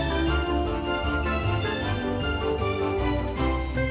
มันหายคลิปแล้วมันเยี่ยมสุด